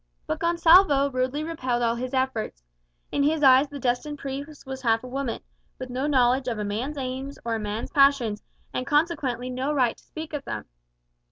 But Gonsalvo rudely repelled all his efforts. In his eyes the destined priest was half a woman, with no knowledge of a man's aims or a man's passions, and consequently no right to speak of them.